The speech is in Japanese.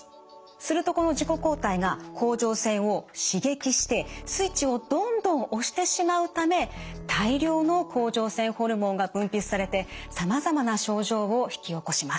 するとこの自己抗体が甲状腺を刺激してスイッチをどんどん押してしまうため大量の甲状腺ホルモンが分泌されてさまざまな症状を引き起こします。